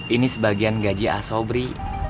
ini sebagian gaji asobri